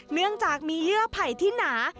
เนื่องจากมีเยื่อไผ่ที่หนา